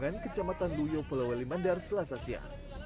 di sejauh kecamatan duyo pulau limandar selas asia